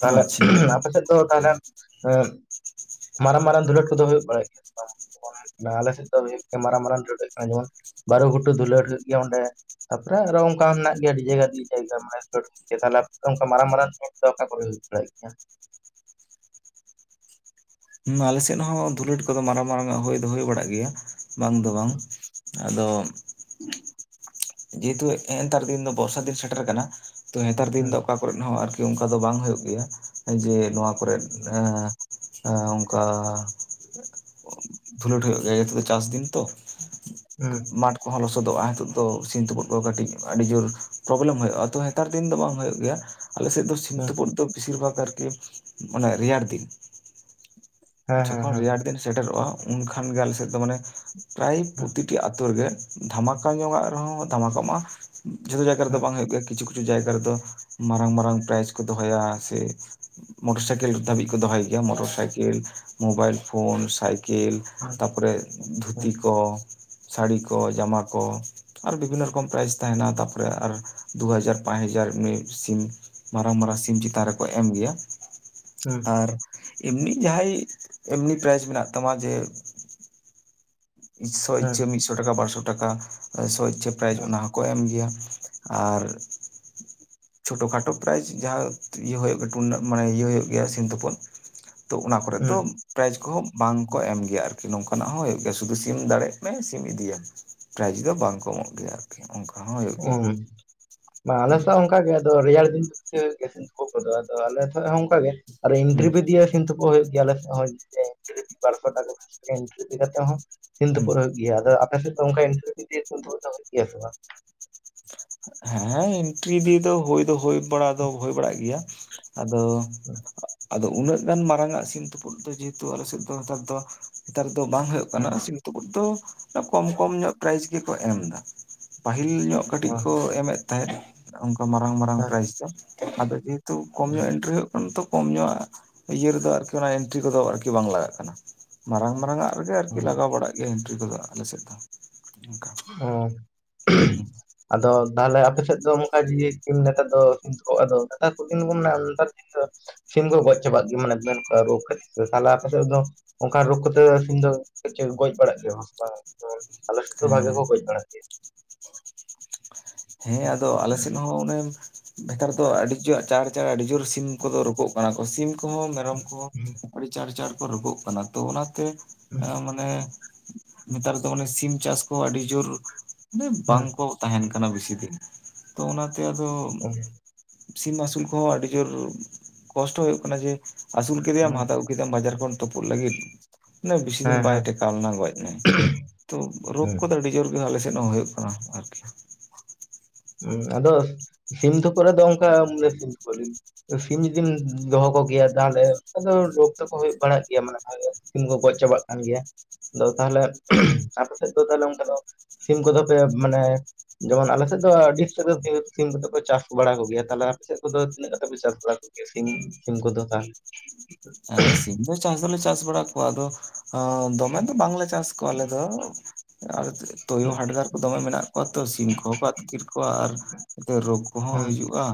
ᱦᱩᱸ ᱟᱪᱪᱷᱟ ᱟᱯᱮ ᱥᱮᱫ ᱫᱚ ᱛᱟᱦᱚᱞᱮ ᱮᱸ ᱢᱟᱨᱟᱝ ᱢᱟᱨᱟᱝ ᱫᱩᱞᱟᱹᱴ ᱠᱚ ᱫᱚ ᱦᱩᱭᱩᱜ ᱵᱟᱲᱟᱭ ᱜᱮᱭᱟ ᱥᱮ ᱵᱟᱝ? ᱟᱞᱮ ᱥᱮᱫ ᱫᱚ ᱦᱩᱭᱩᱜ ᱜᱮᱭᱟ ᱢᱟᱨᱟᱝ ᱢᱟᱨᱟᱝ ᱫᱷᱩᱞᱟᱹ ᱡᱮᱢᱚᱱ ᱵᱟᱨᱩ ᱜᱷᱩᱴᱩ ᱫᱷᱩᱞᱟᱹᱴ ᱦᱩᱭᱩᱜ ᱜᱮᱭᱟ ᱚᱸᱰᱮ᱾ ᱛᱟᱯᱚᱨᱮ ᱟᱨᱚ ᱚᱝᱠᱟ ᱢᱮᱱᱟᱜ ᱜᱮᱭᱟ ᱟᱹᱰᱤ ᱡᱟᱭᱜᱟ ᱟᱹᱰᱤ ᱡᱟᱭᱜᱟ ᱢᱟᱱᱮ ᱛᱟᱦᱞᱮ ᱟᱯᱮ ᱫᱚ ᱚᱝᱠᱟ ᱢᱟᱨᱟᱝ ᱢᱟᱨᱟᱝ ᱫᱚ ᱚᱠᱟ ᱠᱚᱨᱮ ᱦᱩᱭ ᱵᱟᱲᱟᱭᱟ ᱜᱮᱭᱟ? ᱦᱮᱸ ᱟᱞᱮ ᱥᱮᱫ ᱦᱚᱸ ᱫᱷᱩᱞᱟᱹᱴ ᱠᱚ ᱫᱚ ᱢᱟᱨᱟᱝ ᱢᱟᱨᱟᱝ ᱦᱳᱭ ᱫᱚ ᱦᱳᱭ ᱵᱟᱲᱟᱜ ᱜᱮᱭᱟ ᱵᱟᱝ ᱫᱚ ᱵᱟᱝ᱾ ᱟᱫᱚ *inaudible* ᱡᱮᱦᱮᱛᱩ ᱱᱮᱜᱼᱮ ᱱᱮᱛᱟᱨ ᱫᱤᱱ ᱫᱚ ᱵᱚᱨᱥᱟ ᱫᱤᱱ ᱥᱮᱴᱮᱨ ᱠᱟᱱᱟ, ᱛᱚ ᱱᱮᱛᱟᱨ ᱫᱤᱱ ᱫᱚ ᱦᱩᱸ ᱚᱠᱟ, ᱠᱚᱨᱮᱫ ᱦᱚᱸ ᱟᱨᱠᱤ ᱚᱱᱠᱟ ᱫᱚ ᱵᱟᱝ ᱦᱩᱭᱩᱜ ᱜᱮᱭᱟ ᱡᱮ ᱱᱚᱣᱟ ᱠᱚᱨᱮᱫ, ᱚᱱᱠᱟ ᱫᱷᱩᱞᱟᱹᱴ ᱦᱩᱭᱩᱜ ᱜᱮᱭᱟ, ᱱᱤᱛᱚᱜ ᱫᱚ ᱪᱟᱥ ᱫᱤᱱ ᱛᱚ᱾ ᱦᱩᱸ *inaudible* ᱠᱚᱦᱚᱸ ᱞᱚᱥᱚᱫᱚᱜᱼᱟ, ᱱᱤᱛᱚᱜ ᱫᱚ ᱥᱤᱢ ᱛᱩᱯᱩᱫ ᱠᱚ ᱠᱟᱹᱴᱤᱡ ᱟᱹᱰᱤ ᱡᱳᱨ ᱯᱨᱚᱵᱞᱮᱢ ᱦᱩᱭᱩᱜᱼᱟ, ᱛᱚ ᱦᱮᱛᱟᱨ ᱫᱤᱱ ᱫᱚ ᱵᱟᱝ ᱦᱩᱭᱩᱜ ᱜᱮᱭᱟ᱾ ᱟᱞᱮ ᱥᱮᱫ ᱫᱚ ᱥᱤᱢ ᱦᱩᱸ ᱛᱩᱯᱩᱫ ᱫᱚ ᱵᱮᱥᱤᱨ ᱵᱷᱟᱜᱽ ᱟᱨᱠᱤ ᱢᱟᱱᱮ ᱨᱮᱭᱟᱲ ᱫᱤᱱ᱾ ᱦᱮᱸ ᱦᱮᱸ ᱡᱚᱠᱷᱚᱱ ᱦᱮᱸ ᱨᱮᱭᱟᱲ ᱫᱤᱱ ᱥᱮᱴᱮᱨᱚᱜᱼᱟ, ᱩᱱᱠᱷᱟᱱ ᱜᱮ ᱟᱞᱮ ᱥᱮᱫ ᱫᱚ ᱢᱟᱱᱮ ᱯᱨᱟᱭ ᱦᱮᱸ ᱯᱨᱚᱛᱤᱴᱤ ᱟᱛᱳ ᱨᱮᱜᱮ, ᱫᱷᱟᱢᱟᱠᱟ ᱧᱚᱜᱟᱜ ᱨᱮᱦᱚᱸ ᱫᱷᱟᱢᱟᱠᱟ ᱢᱟ ᱡᱷᱚᱛᱚ ᱡᱟᱭᱜᱟ ᱦᱮᱸ ᱨᱮᱫᱚ ᱦᱮᱸ ᱵᱟᱝ ᱦᱩᱭᱩᱜ ᱜᱮᱭᱟ᱾ ᱠᱤᱪᱷᱩ ᱠᱤᱪᱷᱩ ᱡᱟᱭᱜᱟ ᱨᱮᱫᱚ ᱢᱟᱨᱟᱝ ᱢᱟᱨᱟᱝ ᱯᱨᱟᱭᱤᱡᱽ ᱠᱚ ᱫᱚᱦᱚᱭᱟ ᱥᱮ ᱢᱚᱴᱚᱨ ᱥᱟᱭᱠᱮᱞ ᱫᱷᱟᱹᱵᱤᱡ ᱠᱚ ᱫᱚᱦᱚᱭ ᱜᱮᱭᱟ, motorcycle mobile, phone, cycle ᱛᱟᱨᱯᱚᱨᱮ ᱫᱷᱩᱛᱤ ᱠᱚ᱾ ᱥᱟᱹᱲᱤ ᱠᱚ, ᱡᱟᱢᱟ ᱠᱚ᱾ ᱟᱨ ᱵᱤᱵᱷᱤᱱᱱᱚ ᱨᱚᱠᱚᱢ ᱛᱟᱦᱮᱱᱟ᱾ ᱛᱟᱨᱯᱚᱨᱮ ᱟᱨ ᱫᱩ ᱦᱟᱡᱟᱨ ᱯᱟᱸᱪ ᱦᱟᱡᱟᱨ ᱢᱟᱨᱟᱝ ᱢᱟᱨᱟᱝ ᱥᱤᱢ ᱪᱮᱛᱟᱱ ᱨᱮᱠᱚ ᱮᱢ ᱜᱮᱭᱟ᱾ ᱦᱮᱸ ᱟᱨ ᱮᱢᱱᱤ ᱡᱟᱦᱟᱸᱭ ᱮᱢᱱᱤ ᱯᱨᱟᱭᱤᱡᱽ ᱢᱮᱱᱟᱜ ᱛᱟᱢᱟ ᱡᱮ ᱥᱚ ᱦᱮᱸ ᱤᱪᱪᱷᱟᱹ ᱢᱤᱫ ᱥᱚ ᱴᱟᱠᱟ, ᱵᱟᱨᱥᱚ ᱴᱟᱠᱟ, ᱥᱚ ᱤᱪᱪᱷᱟᱹ ᱯᱨᱟᱭᱤᱡ ᱦᱮᱸ ᱚᱱᱟ ᱠᱚ ᱮᱢ ᱜᱮᱭᱟ ᱟᱨ, ᱪᱷᱳᱴᱳ ᱠᱷᱟᱴᱚ ᱯᱨᱟᱭᱤᱡᱽ ᱡᱟᱦᱟᱸ ᱤᱭᱟᱹ ᱦᱩᱭᱩᱜ ᱜᱮ ᱴᱩᱨᱱᱟᱢᱮᱱᱴ ᱢᱟᱱᱮ ᱤᱭᱟᱹ ᱦᱩᱭᱩᱜ ᱜᱮᱭᱟ ᱥᱤᱢ ᱛᱩᱯᱩᱫ ᱛᱚ ᱚᱱᱟ ᱠᱚᱨᱮ ᱫᱚ ᱦᱮᱸ ᱯᱨᱟᱭᱤᱡᱽ ᱠᱚᱦᱚᱸ ᱵᱟᱝ ᱠᱚ ᱮᱢ ᱜᱮᱭᱟ ᱟᱨᱠᱤ ᱱᱚᱝᱠᱟᱱᱟᱜ ᱦᱚᱸ ᱦᱳᱭᱳᱜ ᱜᱮᱭᱟ ᱥᱩᱫᱩ ᱥᱤᱢ ᱫᱟᱲᱮᱜ ᱢᱮ ᱥᱤᱢ ᱤᱫᱤᱭᱮᱢ, ᱯᱨᱮᱨᱟᱭᱤᱡᱽ ᱫᱚ ᱵᱟᱝ ᱠᱚ ᱮᱢᱚᱜ ᱜᱮᱭᱟ ᱟᱨᱠᱤ᱾ ᱚᱱᱠᱟ ᱦᱚᱸ ᱦᱩᱭᱩᱜ ᱜᱮᱭᱟ ᱚ ᱟᱞᱮ ᱥᱮᱫ ᱦᱚ ᱚᱱᱠᱟ ᱜᱮ ᱟᱫᱚ ᱨᱮᱭᱟᱲ ᱫᱤᱱ ᱫᱚ, ᱦᱳᱭᱳᱜ ᱜᱮᱭᱟ ᱥᱤᱢ ᱛᱳᱯᱳᱫ ᱠᱚ ᱫᱚ ᱟᱞᱮ ᱴᱷᱮᱡ ᱦᱚ ᱚᱱᱠᱟ ᱜᱮ, ᱟᱨ ᱦᱩᱸ ᱮᱱᱴᱨᱤᱯᱷᱤ ᱫᱤᱭᱮ ᱥᱤᱢ ᱛᱳᱯᱳᱫ ᱦᱩᱭᱩᱜ ᱜᱮᱭᱟ ᱟᱞᱮ ᱥᱮᱜ ᱦᱚᱸ, *unintelligible* ᱤᱱᱴᱨᱤᱯᱷᱤ ᱠᱟᱛᱮᱜ ᱦᱚᱸ ᱥᱤᱢ ᱦᱩᱸ ᱛᱩᱯᱩᱜ ᱦᱩᱭᱩᱜ ᱜᱮᱭᱟ, ᱟᱫᱚ ᱟᱯᱮ ᱥᱮᱫ ᱫᱚ ᱚᱱᱠᱟ ᱮᱱᱴᱨᱤᱯᱷᱤ ᱫᱤᱭᱮ ᱥᱤᱢ ᱛᱩᱯᱩᱜ ᱵᱟᱝ? ᱦᱮᱸ ᱮᱱᱴᱨᱤᱯᱷᱤ ᱫᱤᱭᱮ ᱫᱚ ᱦᱩᱭ ᱫᱚ ᱦᱩᱭ ᱵᱟᱲᱟ ᱫᱚ ᱦᱩᱭ ᱵᱟᱲᱟᱜ ᱜᱮᱭᱟ᱾ ᱟᱫᱚ, ᱟᱫᱚ ᱩᱱᱟᱹᱜ ᱜᱟᱱ ᱢᱟᱨᱟᱝ ᱟᱜ ᱥᱤᱢ ᱛᱩᱯᱩᱫ ᱫᱚ ᱡᱮᱦᱮᱛᱩ ᱟᱞᱮᱥᱮᱫ ᱫᱚ ᱦᱮᱛᱟᱨ ᱫᱚ ᱱᱮᱛᱟᱨ ᱫᱚ ᱵᱟᱝ ᱦᱳᱭᱳᱜ ᱠᱟᱱᱟ᱾ ᱦᱮᱸ ᱫᱚ ᱠᱚᱢ ᱠᱚᱢ ᱧᱚᱜ ᱯᱨᱟᱭᱤᱡ ᱜᱮᱠᱚ ᱮᱢ ᱫᱟ, ᱯᱟᱹᱦᱤᱞ ᱧᱚᱜ ᱠᱟᱹᱴᱤᱡ ᱦᱮᱸ ᱠᱚ ᱮᱢᱮᱫ ᱛᱟᱦᱮᱸᱫ ᱚᱱᱠᱟ ᱢᱟᱨᱟᱝ ᱢᱟᱨᱟᱝ ᱦᱮᱸ ᱯᱨᱟᱭᱤᱡᱽ ᱫᱚ, ᱟᱫᱚ ᱡᱮᱦᱮᱛᱩ ᱠᱚᱢ ᱧᱚᱜ ᱦᱮᱸ ᱮᱱᱴᱨᱤ ᱦᱩᱭᱩᱜ ᱠᱚᱢ ᱧᱚᱜ ᱤᱭᱟᱹ ᱨᱮᱫᱚ ᱟᱨᱠᱤ ᱚᱱᱟ ᱮᱱᱴᱨᱤ ᱠᱚᱫᱚ ᱟᱨᱠᱤ ᱵᱟᱝ ᱞᱟᱜᱟᱜ ᱠᱟᱱᱟ, ᱢᱟᱨᱟᱝ ᱢᱟᱨᱟᱝᱼᱟᱜ ᱨᱮᱜᱮ ᱟᱨᱠᱤ ᱞᱟᱜᱟᱣ ᱵᱟᱲᱟᱜ ᱜᱮᱭᱟ ᱮᱱᱴᱨᱤ ᱠᱚᱫᱚ ᱟᱞᱮᱥᱮᱫ ᱫᱚ ᱚᱱᱠᱟ᱾ ᱚ, ᱟᱫᱚ ᱛᱟᱦᱚᱞᱮ ᱟᱯᱮ ᱥᱮᱫ ᱫᱚ *unintelligible* ᱱᱮᱛᱟᱨ ᱫᱚ *unintelligible* ᱱᱮᱛᱟᱨ ᱫᱤᱱ ᱫᱚ ᱥᱤᱢ ᱠᱚ ᱜᱚᱡ ᱪᱟᱵᱟᱜ ᱜᱮ ᱢᱟᱱᱮ ᱢᱮᱱ ᱨᱳᱜᱽ ᱠᱷᱟᱹᱛᱤᱨ ᱛᱟᱦᱞᱮ ᱟᱯᱮ ᱥᱮᱫ ᱫᱚ ᱚᱱᱠᱟ ᱨᱳᱜᱽ ᱠᱟᱛᱮ ᱥᱤᱢ ᱫᱚ ᱜᱚᱡ ᱵᱟᱲᱟᱜ ᱜᱮᱭᱟ ᱠᱚ ᱥᱮ ᱵᱟᱝ? ᱡᱮᱢᱚᱱ *inaudible* ᱟᱞᱮ ᱥᱮᱫ ᱵᱷᱟᱜᱮ ᱠᱳ ᱜᱚᱡ ᱵᱟᱲᱟᱜ ᱜᱮᱭᱟ ᱦᱮᱸ ᱟᱫᱚ ᱟᱞᱮᱥᱮᱱ ᱦᱚᱸ ᱚᱱᱮ, ᱱᱮᱛᱟᱨ ᱫᱚ ᱟᱹᱰᱤ ᱡᱳᱨ ᱪᱟ ᱪᱟᱬ ᱟᱹᱰᱤ ᱡᱳᱨ ᱥᱤᱢ ᱠᱚᱫᱚ ᱨᱳᱜᱽ ᱚᱜ ᱠᱟᱱᱟ ᱠᱚ ᱥᱤᱢ ᱠᱚᱦᱚᱸ ᱢᱮᱨᱚᱢ ᱠᱚᱦᱚᱸ ᱟᱹᱰᱤ ᱪᱟᱬ ᱪᱟᱬ ᱠᱚ ᱨᱳᱜᱽ ᱚᱜ ᱠᱟᱱᱟ ᱛᱚ ᱚᱱᱟ ᱛᱮ ᱢᱟᱱᱮ ᱱᱮᱛᱟᱨ ᱫᱚ ᱢᱟᱱᱮ ᱥᱤᱢ ᱪᱟᱥ ᱠᱚ ᱟᱹᱰᱤ ᱡᱳᱨ ᱢᱟᱱᱮ ᱦᱩᱸ ᱵᱟᱝᱠᱚ ᱛᱟᱦᱮᱱ ᱠᱟᱱᱟ ᱵᱮᱥᱤ ᱫᱤᱱ ᱛᱚ ᱚᱱᱟᱛᱮ ᱟᱫᱚ *unintelligible* ᱥᱤᱢ ᱟᱹᱥᱩᱞ ᱠᱚᱦᱚᱸ ᱟᱹᱰᱤ ᱡᱳᱨ ᱠᱚᱥᱴᱚ ᱦᱩᱭᱩᱜ ᱠᱟᱱᱟ ᱡᱮ ᱟᱹᱥᱩᱞ ᱠᱮᱫᱮᱭᱟᱢ ᱦᱩᱸ ᱟᱫᱚᱠ ᱠᱮᱫᱟᱢ ᱵᱟᱡᱟᱨ ᱠᱷᱚᱱ ᱛᱩᱯᱩᱫ ᱞᱟᱹᱜᱤᱫ ᱢᱟᱱᱮ ᱵᱮᱥᱤ ᱦᱮᱸ ᱫᱤᱱ ᱵᱟᱭ ᱦᱮᱸ ᱴᱮᱠᱟᱣ ᱞᱮᱱᱟ ᱜᱚᱡ ᱮᱱᱟᱭ ᱛᱚ ᱨᱳᱜᱽ ᱦᱩᱸ ᱠᱚᱫᱚ ᱟᱹᱰᱤ ᱡᱳᱨ ᱠᱚᱫᱚ ᱟᱞᱮ ᱥᱮᱫ ᱦᱚᱸ ᱦᱩᱭᱩᱜ ᱠᱟᱱᱟ ᱟᱨᱠᱤ ᱦᱩᱸ ᱟᱫᱚ ᱥᱤᱢ ᱛᱩᱯᱩᱜ ᱨᱮ ᱫᱚ ᱚᱱᱠᱟ *unintelligible* ᱥᱤᱢ ᱡᱩᱫᱤᱢ ᱫᱚᱦᱚ ᱠᱚᱜᱮᱭᱟ ᱛᱟᱦᱞᱮ ᱟᱫᱚ ᱨᱳᱜᱽ ᱛᱟᱠᱚ ᱦᱩᱭᱩᱜ ᱵᱟᱲᱟᱜ ᱜᱮᱭᱟ ᱢᱟᱱᱮ ᱟᱫᱚ ᱥᱤᱢ ᱠᱚ ᱜᱚᱡ ᱪᱟᱵᱟᱜ ᱠᱟᱱ ᱜᱮᱭᱟ ᱟᱫᱚ ᱛᱟᱦᱞᱮ ᱟᱯᱮ ᱥᱮᱫ ᱫᱚ ᱛᱟᱦᱚᱞᱮ ᱚᱱᱠᱟ ᱫᱚ ᱥᱤᱢ ᱠᱚᱫᱚ ᱯᱮ ᱢᱟᱱᱮ ᱡᱮᱢᱚᱱ ᱟᱞᱮ ᱥᱮᱫ ᱫᱚ ᱟᱹᱰᱤ ᱥᱟᱨᱟ ᱫᱤᱱ ᱥᱤᱢ ᱠᱚ ᱫᱚ ᱠᱚ ᱪᱟᱥ ᱵᱟᱲᱟ ᱠᱚ ᱜᱮᱭᱟ᱾ ᱛᱟᱦᱚᱞᱮ ᱟᱯᱮ ᱥᱮᱫ ᱠᱚᱫᱚ ᱛᱤᱱᱟᱹᱜ ᱠᱟᱛᱮ ᱪᱟᱥ ᱵᱟᱲᱟ ᱤᱥᱤᱱ ᱥᱤᱢ ᱠᱚᱫᱚ ᱛᱟᱦᱞᱮ ᱮ ᱥᱤᱢ ᱫᱚ ᱪᱟᱥ ᱫᱚ ᱞᱮ ᱪᱟᱥ ᱵᱟᱲᱟ ᱠᱚᱣᱟ ᱟᱫᱚ ᱚ ᱫᱚᱢᱮ ᱫᱚ ᱵᱟᱝᱞᱮ ᱪᱟᱥ ᱠᱚᱣᱟ ᱟᱞᱮ ᱫᱚ ᱛᱩᱭᱩ ᱦᱟᱰᱜᱟᱨ ᱠᱚ ᱫᱚᱢᱮ ᱢᱮᱱᱟᱜ ᱠᱚᱣᱟ ᱛᱚ ᱥᱤᱢ ᱠᱚᱦᱚᱸ ᱠᱚ ᱟᱹᱛᱠᱤᱨ ᱠᱚᱣᱟ ᱟᱨ ᱨᱳᱜᱽ ᱠᱚᱦᱚᱸ ᱦᱩᱸ ᱦᱤᱡᱩᱜ-ᱟ᱾